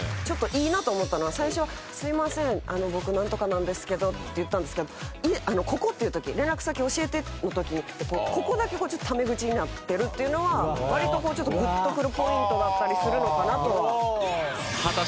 ちょっといいなと思ったのは最初「すいません僕なんとかなんですけど」って言ったんですけどここっていう時「連絡先教えて」の時ここだけタメ口になってるっていうのは割とこうちょっとグッとくるポイントだったりするのかなとは。